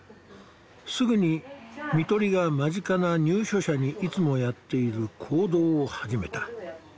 すぐに看取りが間近な入所者にいつもやっている行動を始めた。